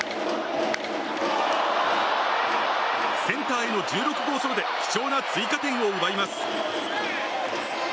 センターへの１６号ソロで貴重な追加点を奪います。